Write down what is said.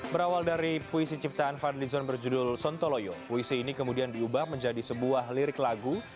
berawal dari puisi ciptaan fadlizon berjudul sontoloyo puisi ini kemudian diubah menjadi sebuah lirik lagu